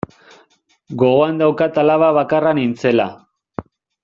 Gogoan daukat alaba bakarra nintzela.